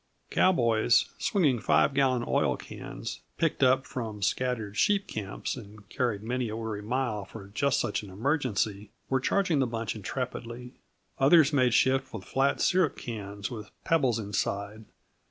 Cowboys, swinging five gallon oil cans, picked up from scattered sheep camps and carried many a weary mile for just such an emergency, were charging the bunch intrepidly. Others made shift with flat sirup cans with pebbles inside.